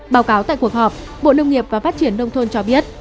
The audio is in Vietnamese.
báo cáo tại cuộc họp bộ nông nghiệp và phát triển nông thôn cho biết